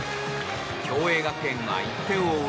共栄学園は１点を追う